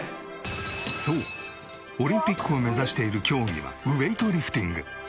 そうオリンピックを目指している競技はウエイトリフティング。